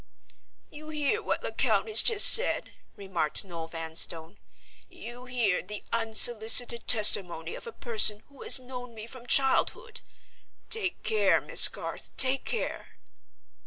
"You hear what Lecount has just said?" remarked Noel Vanstone. "You hear the unsolicited testimony of a person who has known me from childhood? Take care, Miss Garth—take care!"